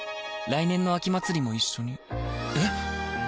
来年の秋祭も一緒にえ